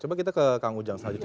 coba kita ke kang ujang selanjutnya